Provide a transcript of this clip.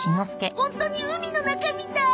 ホントに海の中みたい！